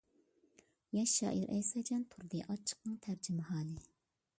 ياش شائىر ئەيساجان تۇردى ئاچچىقنىڭ تەرجىمىھالى.